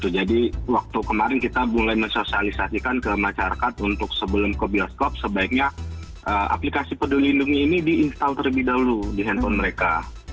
jadi waktu kemarin kita mulai mensosialisasikan ke masyarakat untuk sebelum ke bioskop sebaiknya aplikasi peduli lindungi ini di install terlebih dahulu di handphone mereka